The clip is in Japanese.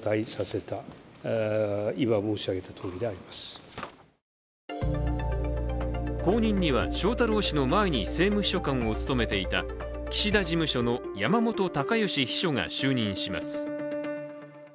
そのタイミングについて後任には、翔太郎氏の前に政務秘書官を務めていた岸田事務所の山本高義秘書が就任します。